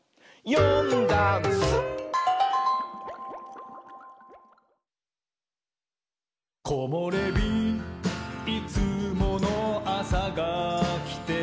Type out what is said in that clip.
「よんだんす」「こもれびいつものあさがきて」